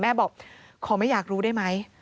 แม่บอกขอไม่อยากรู้ได้ไหม